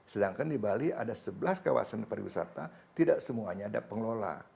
sedangkan di bali ada sebelas kawasan pariwisata tidak semuanya ada pengelola